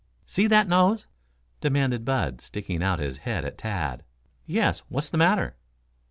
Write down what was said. "See that nose?" demanded Bud, sticking out his head at Tad. "Yes; what's the matter?"